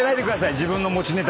自分の持ちネタに。